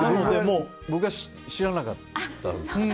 僕は知らなかったんですよ。